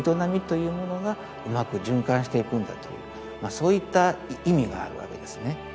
そういった意味があるわけですね。